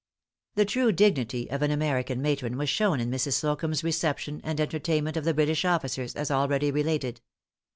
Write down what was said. The true dignity of an American matron was shown in Mrs. Slocumb's reception and entertainment of the British officers, as already related.